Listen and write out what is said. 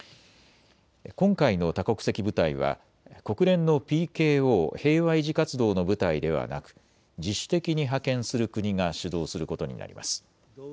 今回の多国籍部隊は国連のＰＫＯ・平和維持活動の部隊ではなく自主的に派遣する国が主導することになります。